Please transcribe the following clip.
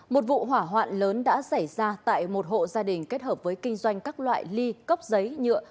một vụ hỏa hoạn lớn đã xảy ra tại một hộ gia đình kết hợp với kinh doanh các loại ly cốc giấy nhựa